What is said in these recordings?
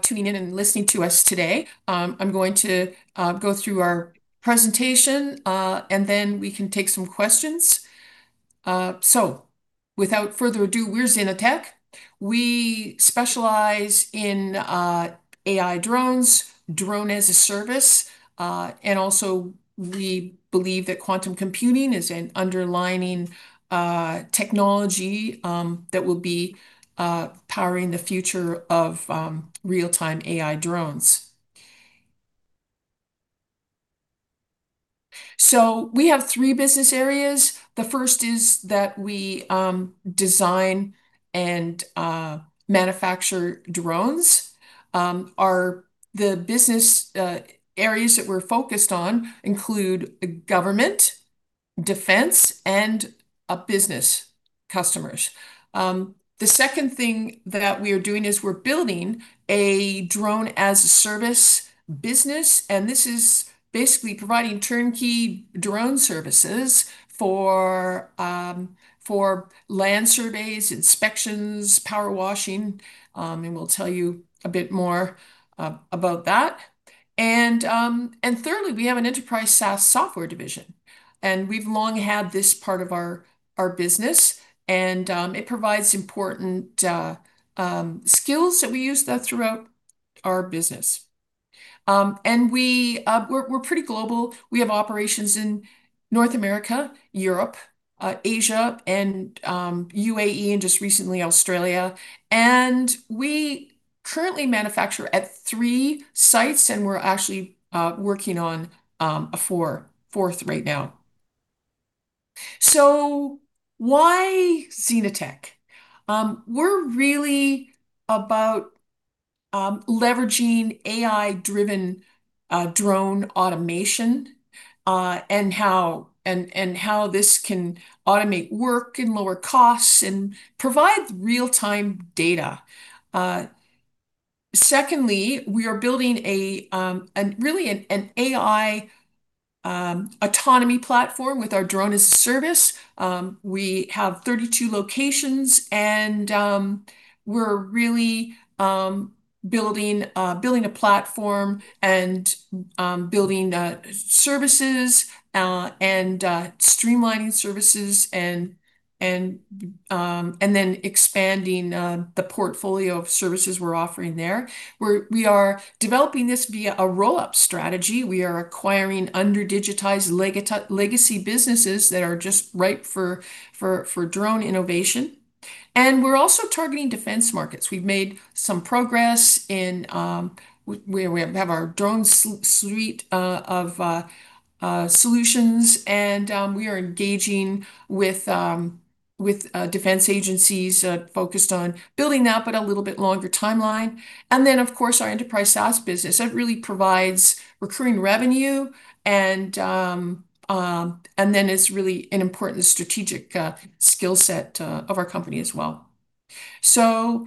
Tuning in and listening to us today. I'm going to go through our presentation, and then we can take some questions. Without further ado, we're ZenaTech. We specialize in AI drones, Drone-as-a-Service, and also we believe that quantum computing is an underlying technology that will be powering the future of real-time AI drones. We have three business areas. The first is that we design and manufacture drones. The business areas that we're focused on include government, defense, and business customers. The second thing that we are doing is we're building a Drone-as-a-Service business, and this is basically providing turnkey drone services for land surveys, inspections, power washing, and we'll tell you a bit more about that. Thirdly, we have an enterprise SaaS software division, and we've long had this part of our business, and it provides important skills that we use throughout our business. We're pretty global. We have operations in North America, Europe, Asia, and U.A.E., and just recently Australia. We currently manufacture at three sites, and we're actually working on a fourth right now. Why ZenaTech? We're really about leveraging AI-driven drone automation, and how this can automate work and lower costs and provide real-time data. Secondly, we are building really an AI autonomy platform with our Drone-as-a-Service. We have 32 locations, and we're really building a platform and building services and streamlining services and then expanding the portfolio of services we're offering there, where we are developing this via a roll-up strategy. We are acquiring under-digitized legacy businesses that are just ripe for drone innovation. We're also targeting defense markets. We've made some progress where we have our drone suite of solutions, and we are engaging with defense agencies focused on building that, but a little bit longer timeline. Of course, our enterprise SaaS business. That really provides recurring revenue and then is really an important strategic skill set of our company as well.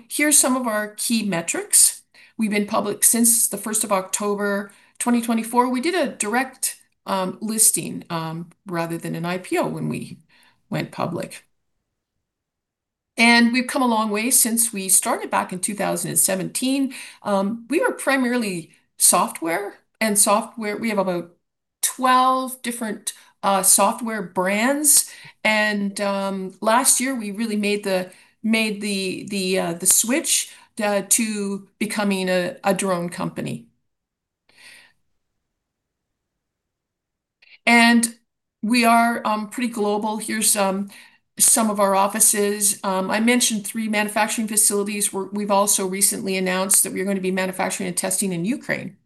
Here's some of our key metrics. We've been public since the 1st of October 2024. We did a direct listing rather than an IPO when we went public. We've come a long way since we started back in 2017. We were primarily software, and we have about 12 different software brands, and last year, we really made the switch to becoming a drone company. We are pretty global. Here's some of our offices. I mentioned three manufacturing facilities. We've also recently announced that we're going to be manufacturing and testing in Ukraine.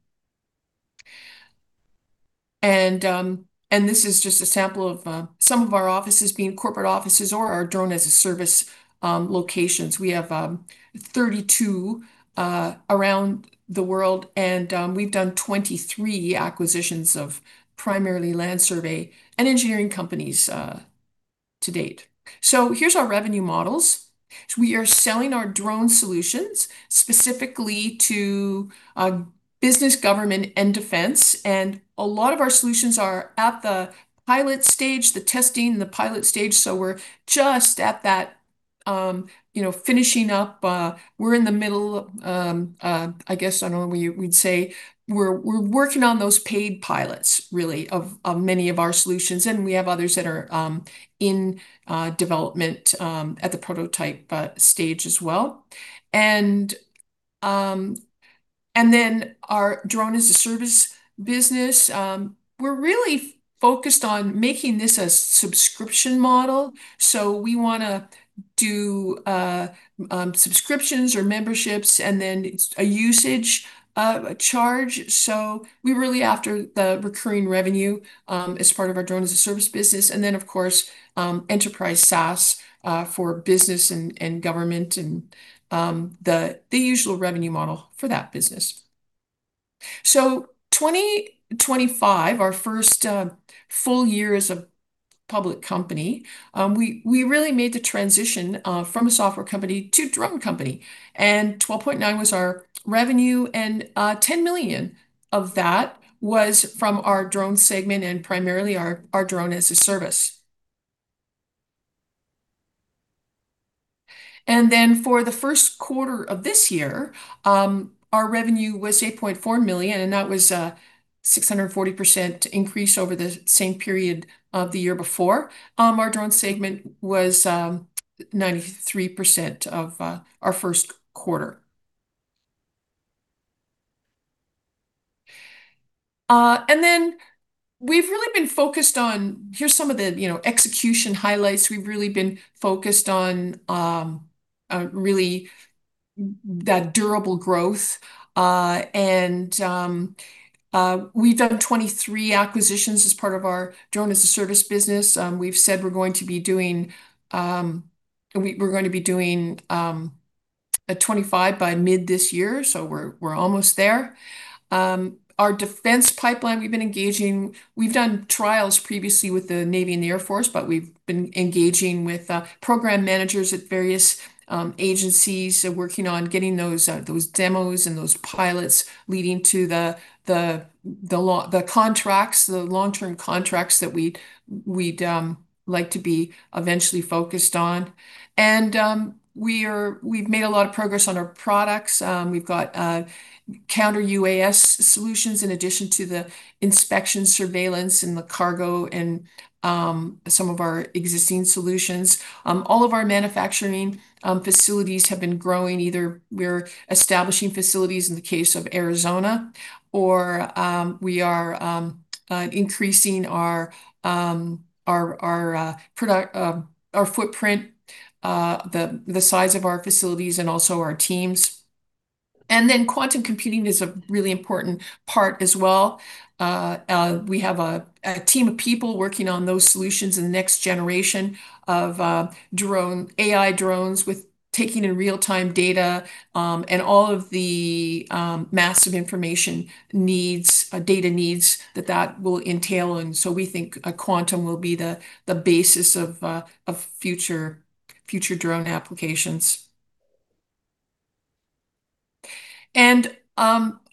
This is just a sample of some of our offices, being corporate offices or our Drone-as-a-Service locations. We have 32 around the world, and we've done 23 acquisitions of primarily land survey and engineering companies to date. Here's our revenue models. We are selling our drone solutions specifically to business, government, and defense, and a lot of our solutions are at the pilot stage, the testing and the pilot stage. We're just at that finishing up. We're in the middle of, I guess, I don't know, we'd say we're working on those paid pilots, really, of many of our solutions, and we have others that are in development at the prototype stage as well. Our Drone-as-a-Service business, we're really focused on making this a subscription model. We want to do subscriptions or memberships and then a usage charge. We're really after the recurring revenue as part of our Drone-as-a-Service business. Of course, enterprise SaaS for business and government and the usual revenue model for that business. 2025, our first full year as a public company, we really made the transition from a software company to a drone company, and $12.9 million was our revenue, and $10 million of that was from our drone segment and primarily our Drone-as-a-Service. For the first quarter of this year, our revenue was $8.4 million, and that was a 640% increase over the same period of the year before. Our drone segment was 93% of our first quarter. We've really been focused on. Here's some of the execution highlights. We've really been focused on that durable growth. We've done 23 acquisitions as part of our Drone-as-a-Service business. We've said we're going to be doing 25 by mid this year. We're almost there. Our defense pipeline, we've done trials previously with the Navy and Air Force, but we've been engaging with program managers at various agencies, working on getting those demos and those pilots leading to the contracts, the long-term contracts that we'd like to be eventually focused on. We've made a lot of progress on our products. We've got counter-UAS solutions in addition to the inspection, surveillance, and the cargo, and some of our existing solutions. All of our manufacturing facilities have been growing. Either we're establishing facilities in the case of Arizona, or we are increasing our footprint, the size of our facilities, and also our teams. Quantum computing is a really important part as well. We have a team of people working on those solutions in the next generation of AI drones with taking in real-time data, and all of the massive information data needs that will entail. We think a quantum will be the basis of future drone applications.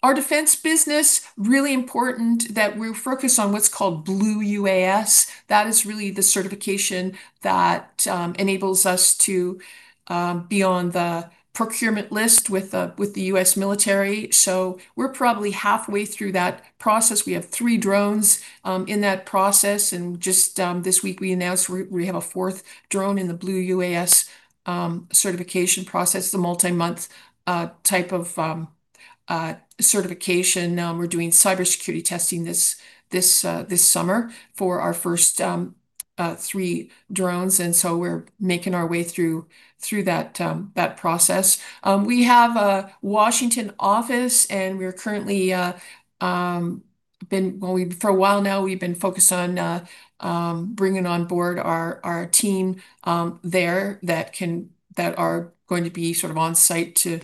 Our defense business, really important that we're focused on what's called Blue UAS. That is really the certification that enables us to be on the procurement list with the U.S. military. We're probably halfway through that process. We have three drones in that process, and just this week we announced we have a fourth drone in the Blue UAS certification process, the multi-month type of certification. We're doing cybersecurity testing this summer for our first three drones. We're making our way through that process. We have a Washington office. For a while now, we've been focused on bringing on board our team there that are going to be on site to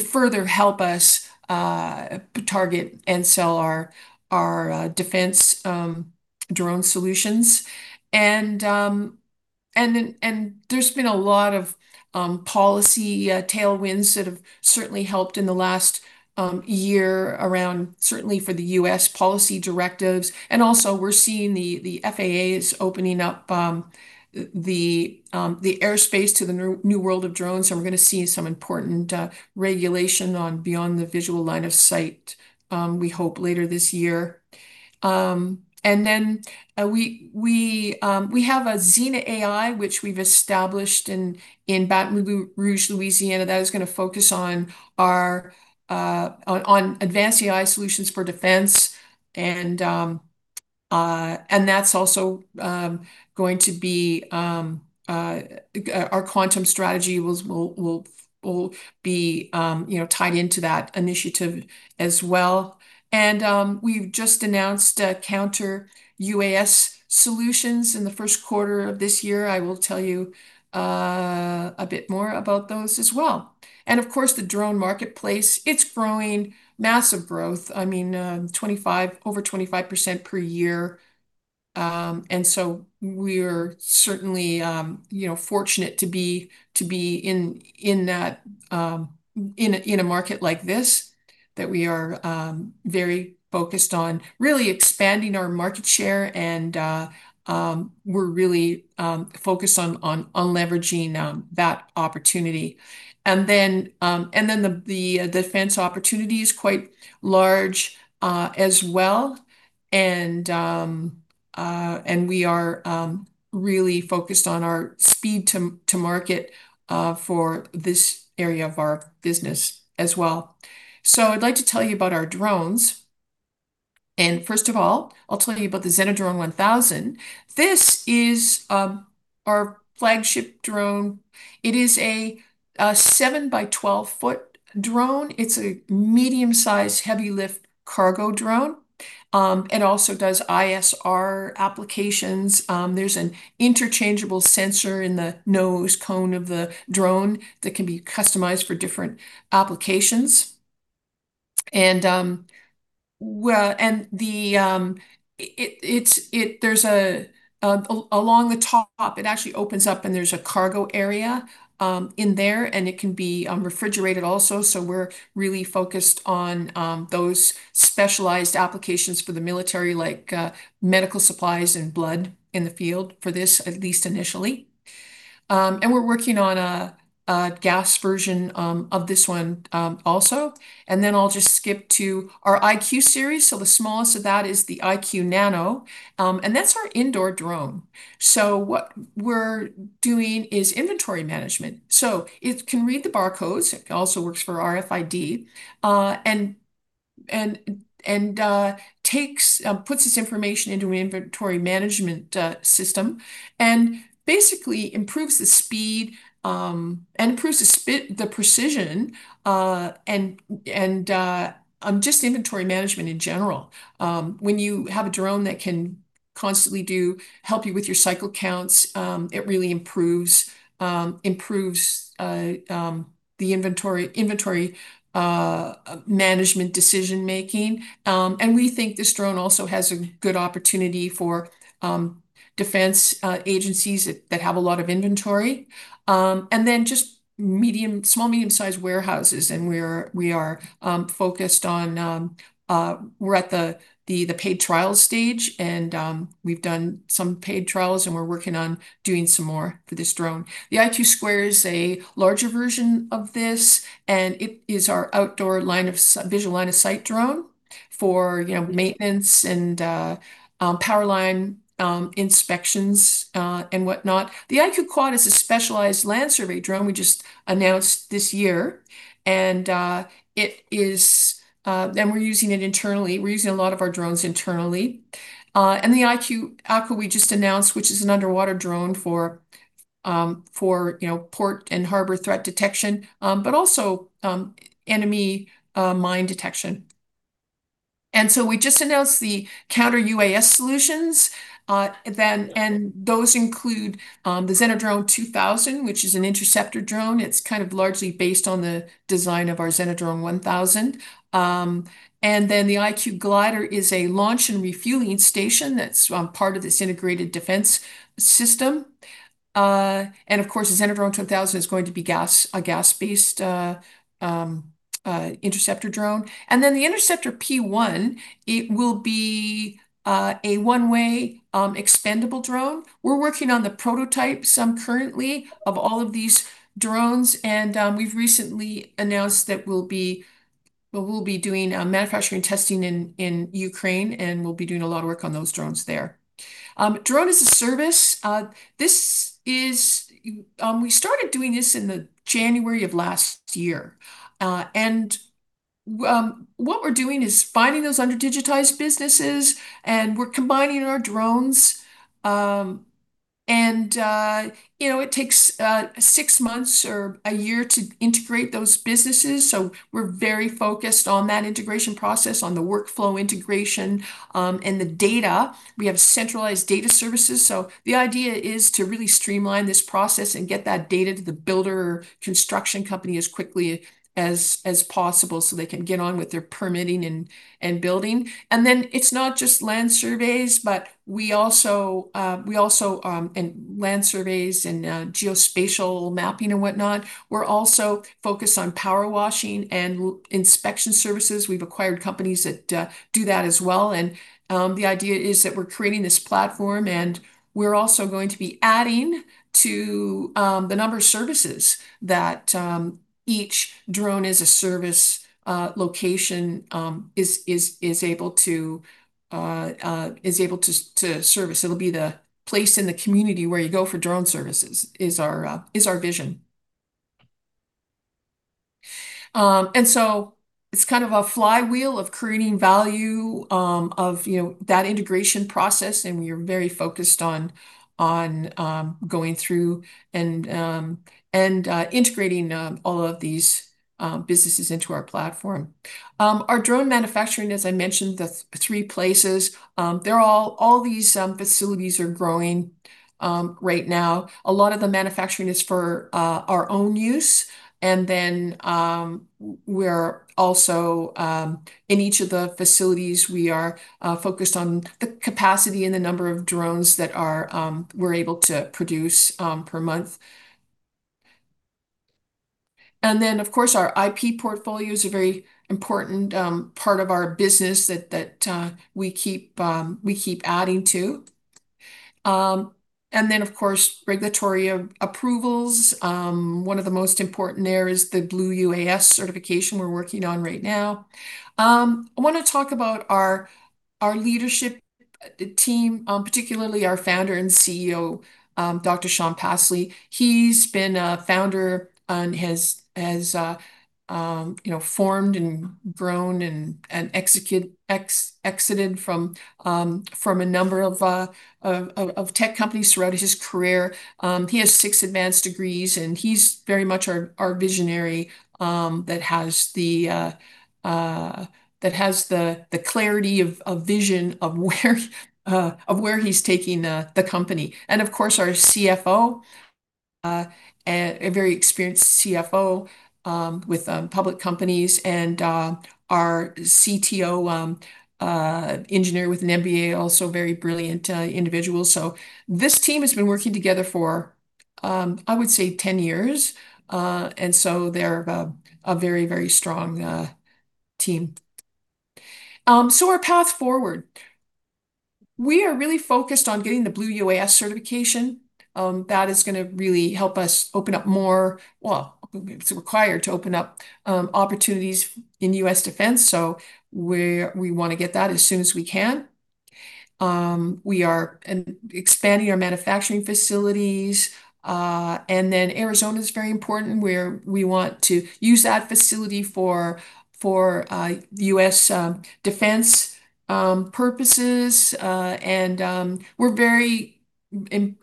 further help us target and sell our defense drone solutions. There's been a lot of policy tailwinds that have certainly helped in the last year around certainly for the U.S. policy directives. We're seeing the FAA is opening up the airspace to the new world of drones, and we're going to see some important regulation on Beyond Visual Line of Sight, we hope, later this year. We have a Zena AI, which we've established in Baton Rouge, Louisiana, that is going to focus on advanced AI solutions for defense. Our quantum strategy will be tied into that initiative as well. We've just announced counter-UAS solutions in the first quarter of this year. I will tell you a bit more about those as well. Of course, the drone marketplace, it's growing, massive growth, over 25% per year. So we're certainly fortunate to be in a market like this that we are very focused on really expanding our market share, and we're really focused on leveraging that opportunity. Then the defense opportunity is quite large as well, and we are really focused on our speed to market for this area of our business as well. I'd like to tell you about our drones. First of all, I'll tell you about the ZenaDrone 1000. This is our flagship drone. It is a seven-by-12-foot drone. It's a medium-sized heavy-lift cargo drone. It also does ISR applications. There's an interchangeable sensor in the nose cone of the drone that can be customized for different applications. Along the top, it actually opens up, and there's a cargo area in there, and it can be refrigerated also, so we're really focused on those specialized applications for the military, like medical supplies and blood in the field for this, at least initially. We're working on a gas version of this one also. Then I'll just skip to our IQ Series. The smallest of that is the IQ Nano, and that's our indoor drone. What we're doing is inventory management. It can read the barcodes, it also works for RFID, and puts this information into an inventory management system, and basically improves the speed and improves the precision and just inventory management in general. When you have a drone that can constantly help you with your cycle counts, it really improves the inventory management decision-making. We think this drone also has a good opportunity for defense agencies that have a lot of inventory. Then just small, medium-sized warehouses. We're at the paid trial stage, and we've done some paid trials, and we're working on doing some more for this drone. The IQ Square is a larger version of this, and it is our outdoor visual line of sight drone for maintenance and power line inspections and whatnot. The IQ Quad is a specialized land survey drone we just announced this year. We're using it internally. We're using a lot of our drones internally. The IQ Aqua we just announced, which is an underwater drone for port and harbor threat detection, but also enemy mine detection. So we just announced the counter-UAS solutions, and those include the ZenaDrone 2000, which is an interceptor drone. It's kind of largely based on the design of our ZenaDrone 1000. Then the IQ Glider is a launch and refueling station that's part of this integrated defense system. Of course, the ZenaDrone 2000 is going to be a gas-based interceptor drone. Then the Interceptor P-1, it will be a one-way expendable drone. We're working on the prototype, some currently, of all of these drones, and we've recently announced that we'll be doing manufacturing testing in Ukraine, and we'll be doing a lot of work on those drones there. Drone-as-a-Service. We started doing this in the January of last year. What we're doing is finding those under-digitized businesses, and we're combining our drones. It takes six months or a year to integrate those businesses, so we're very focused on that integration process, on the workflow integration, and the data. We have centralized data services. The idea is to really streamline this process and get that data to the builder construction company as quickly as possible so they can get on with their permitting and building. It's not just land surveys and geospatial mapping and whatnot. We're also focused on power washing and inspection services. We've acquired companies that do that as well. The idea is that we're creating this platform, and we're also going to be adding to the number of services that each Drone-as-a-Service location is able to service. It'll be the place in the community where you go for drone services is our vision. It's kind of a flywheel of creating value of that integration process, and we are very focused on going through and integrating all of these businesses into our platform. Our drone manufacturing, as I mentioned, the three places, all these facilities are growing right now. A lot of the manufacturing is for our own use. In each of the facilities, we are focused on the capacity and the number of drones that we're able to produce per month. Of course, our IP portfolio is a very important part of our business that we keep adding to. Of course, regulatory approvals. One of the most important there is the Blue UAS certification we're working on right now. I want to talk about our leadership team, particularly our founder and CEO, Dr. Shaun Passley. He's been a founder and has formed and grown and exited from a number of tech companies throughout his career. He has six advanced degrees, and he's very much our visionary that has the clarity of vision of where he's taking the company. Of course, our CFO, a very experienced CFO with public companies, and our CTO engineer with an MBA, also very brilliant individual. This team has been working together for, I would say, 10 years. They're a very strong team. Our path forward. We are really focused on getting the Blue UAS certification. That is going to really help us open up more. Well, it's required to open up opportunities in U.S. defense, so we want to get that as soon as we can. We are expanding our manufacturing facilities. Arizona's very important, where we want to use that facility for U.S. defense purposes. Being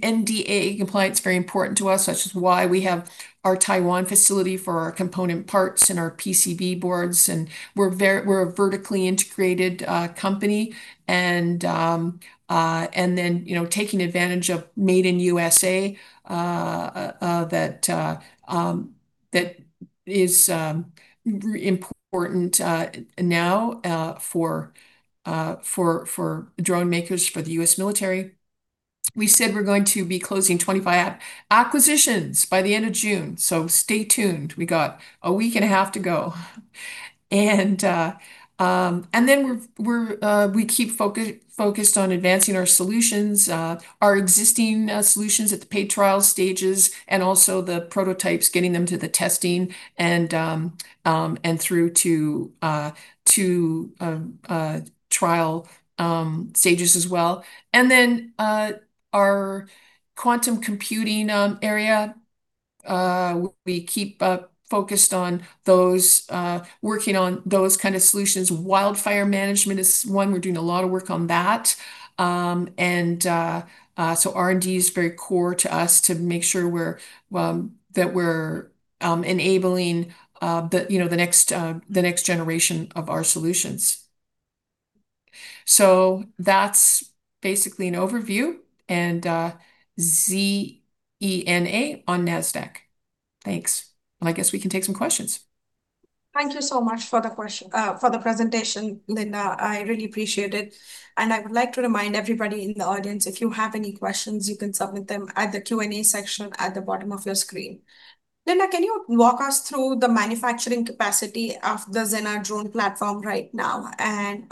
NDAA compliant is very important to us, which is why we have our Taiwan facility for our component parts and our PCB boards, and we're a vertically integrated company. Taking advantage of Made in USA, that is important now for drone makers for the U.S. military. We said we're going to be closing 25 acquisitions by the end of June, stay tuned. We got a week and a half to go. We keep focused on advancing our solutions, our existing solutions at the paid trial stages, and also the prototypes, getting them to the testing and through to trial stages as well. Our quantum computing area, we keep focused on working on those kind of solutions. Wildfire management is one. We're doing a lot of work on that. R&D is very core to us to make sure that we're enabling the next generation of our solutions. That's basically an overview, ZENA on NASDAQ. Thanks. I guess we can take some questions. Thank you so much for the presentation, Linda. I really appreciate it, and I would like to remind everybody in the audience, if you have any questions, you can submit them at the Q&A section at the bottom of your screen. Linda, can you walk us through the manufacturing capacity of the Zena drone platform right now?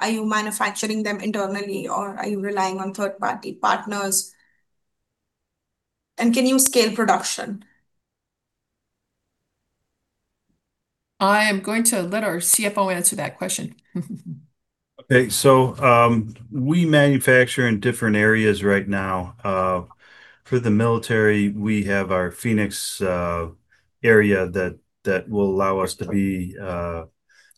Are you manufacturing them internally, or are you relying on third-party partners? Can you scale production? I am going to let our CFO answer that question. Okay, we manufacture in different areas right now. For the military, we have our Phoenix area that will allow us to be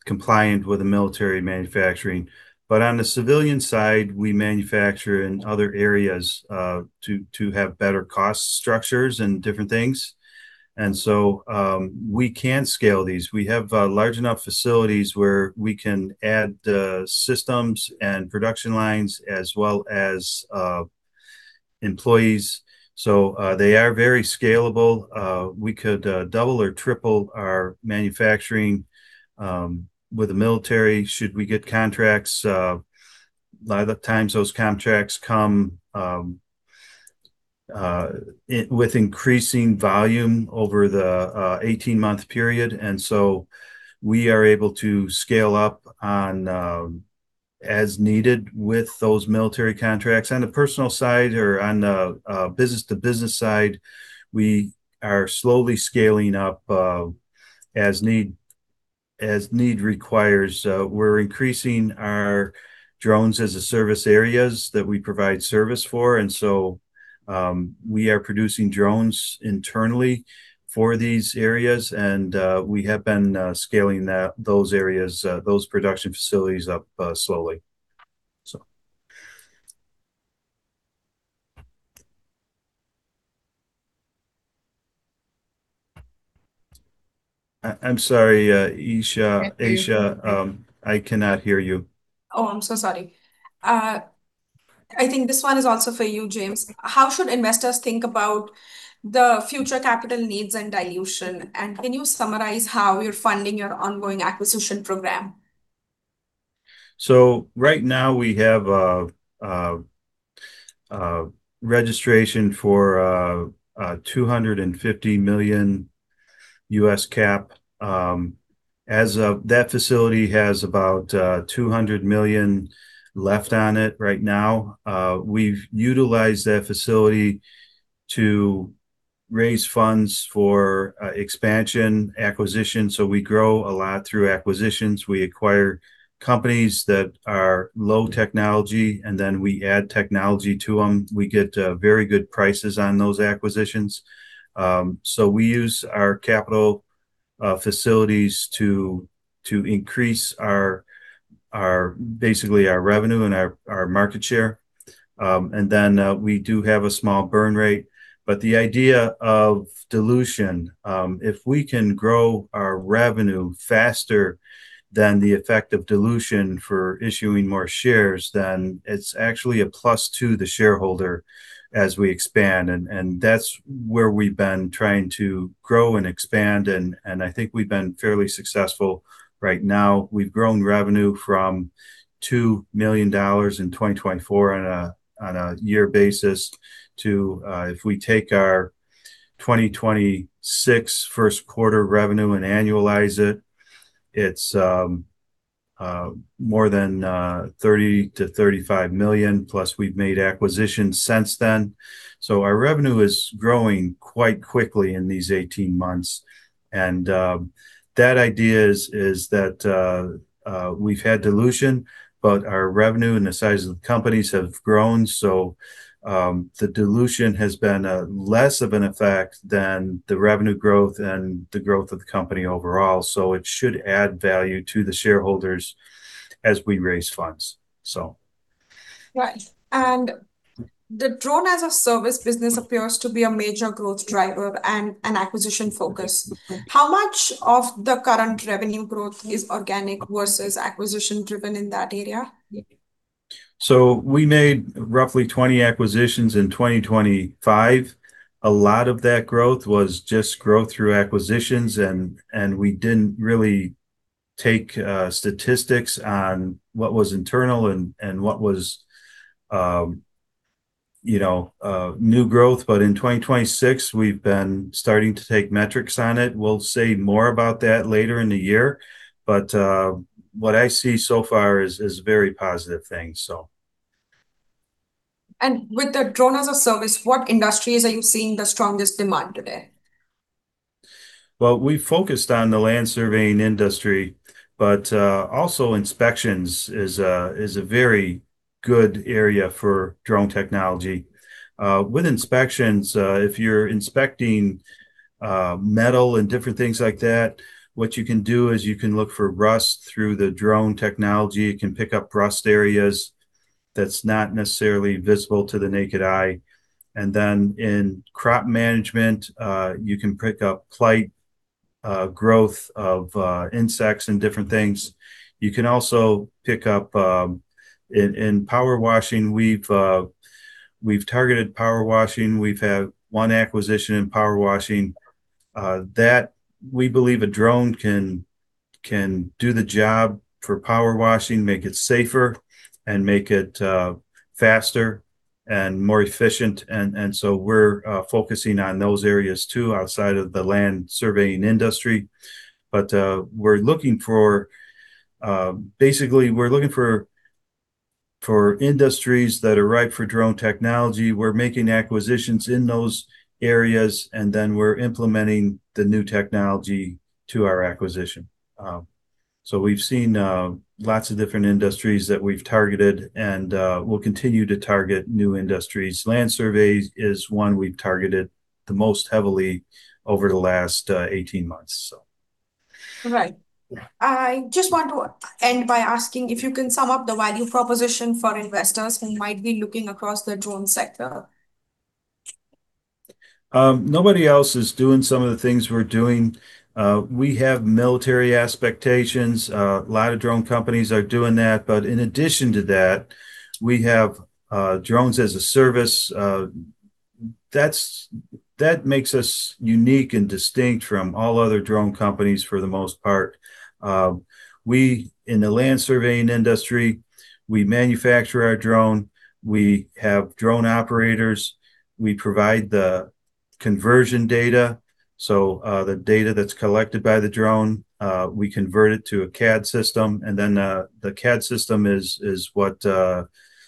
compliant with the military manufacturing. On the civilian side, we manufacture in other areas to have better cost structures and different things. We can scale these. We have large enough facilities where we can add systems and production lines as well as employees. They are very scalable. We could double or triple our manufacturing with the military should we get contracts. A lot of the times those contracts come with increasing volume over the 18-month period, and so we are able to scale up as needed with those military contracts. On the personal side or on the business-to-business side, we are slowly scaling up as need requires. We're increasing our Drone-as-a-Service areas that we provide service for, and so we are producing drones internally for these areas, and we have been scaling those production facilities up slowly. I'm sorry Asia. I cannot hear you. Oh, I'm so sorry. I think this one is also for you, James. How should investors think about the future capital needs and dilution? Can you summarize how you're funding your ongoing acquisition program? Right now we have a registration for a $250 million U.S. cap. That facility has about $200 million left on it right now. We've utilized that facility to raise funds for expansion, acquisition. We grow a lot through acquisitions. We acquire companies that are low technology, and then we add technology to them. We get very good prices on those acquisitions. We use our capital facilities to increase basically our revenue and our market share. Then we do have a small burn rate. The idea of dilution, if we can grow our revenue faster than the effect of dilution for issuing more shares, then it's actually a plus to the shareholder as we expand. That's where we've been trying to grow and expand, and I think we've been fairly successful right now. We've grown revenue from $2 million in 2024 on a year basis to, if we take our 2026 first quarter revenue and annualize it's more than $30 million-$35 million, plus we've made acquisitions since then. Our revenue is growing quite quickly in these 18 months. That idea is that we've had dilution, but our revenue and the size of the companies have grown. The dilution has been less of an effect than the revenue growth and the growth of the company overall. It should add value to the shareholders as we raise funds. Right. The Drone-as-a-Service business appears to be a major growth driver and an acquisition focus. How much of the current revenue growth is organic versus acquisition-driven in that area? We made roughly 20 acquisitions in 2025. A lot of that growth was just growth through acquisitions and we didn't really take statistics on what was internal and what was new growth. In 2026, we've been starting to take metrics on it. We'll say more about that later in the year. What I see so far is very positive things. With the Drone-as-a-Service, what industries are you seeing the strongest demand today? Well, we focused on the land surveying industry, but also inspections is a very good area for drone technology. With inspections, if you're inspecting metal and different things like that, what you can do is you can look for rust through the drone technology. You can pick up rust areas that's not necessarily visible to the naked eye. Then in crop management, you can pick up plight, growth of insects and different things. You can also pick up in power washing. We've targeted power washing. We've had one acquisition in power washing. We believe a drone can do the job for power washing, make it safer and make it faster and more efficient. So we're focusing on those areas, too, outside of the land surveying industry. Basically, we're looking for industries that are ripe for drone technology. We're making acquisitions in those areas, then we're implementing the new technology to our acquisition. We've seen lots of different industries that we've targeted, we'll continue to target new industries. Land surveys is one we've targeted the most heavily over the last 18 months. Right. I just want to end by asking if you can sum up the value proposition for investors who might be looking across the drone sector. Nobody else is doing some of the things we're doing. We have military applications. A lot of drone companies are doing that, in addition to that, we have Drone-as-a-Service. That makes us unique and distinct from all other drone companies for the most part. We, in the land surveying industry, we manufacture our drone, we have drone operators, we provide the conversion data. The data that's collected by the drone, we convert it to a CAD system, then the CAD system is what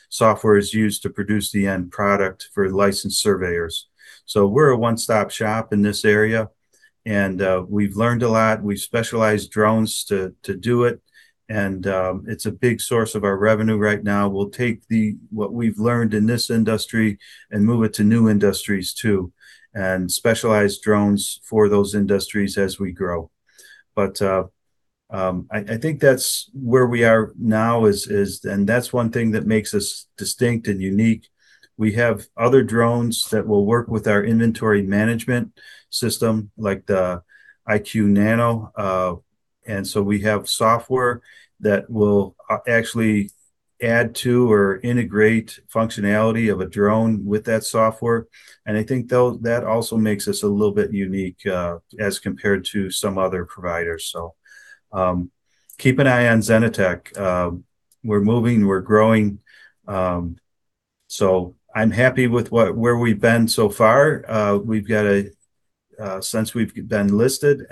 software is used to produce the end product for licensed surveyors. We're a one-stop shop in this area, we've learned a lot. We specialize drones to do it's a big source of our revenue right now. We'll take what we've learned in this industry move it to new industries, too, specialize drones for those industries as we grow. I think that's where we are now is, that's one thing that makes us distinct and unique. We have other drones that will work with our inventory management system, like the IQ Nano. We have software that will actually add to or integrate functionality of a drone with that software. I think that also makes us a little bit unique, as compared to some other providers. Keep an eye on ZenaTech. We're moving, we're growing. I'm happy with where we've been so far. Since we've been listed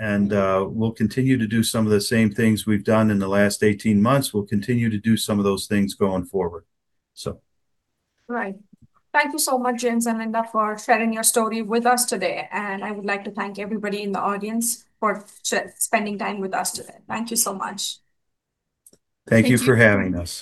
we'll continue to do some of the same things we've done in the last 18 months. We'll continue to do some of those things going forward. Right. Thank you so much, James and Linda, for sharing your story with us today, and I would like to thank everybody in the audience for spending time with us today. Thank you so much. Thank you for having us